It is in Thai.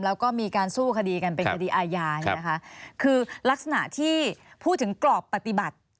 แล้วก็มีการสู้คดีกันเป็นคดีอาญาเนี่ยนะคะคือลักษณะที่พูดถึงกรอบปฏิบัติ